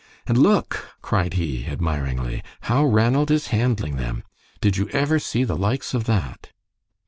"And look," cried he, admiringly, "how Ranald is handling them! Did you ever see the likes of that?"